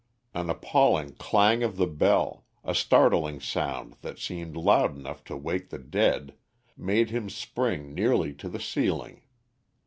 An appalling clang of the bell, a startling sound that seemed loud enough to wake the dead, made him spring nearly to the ceiling.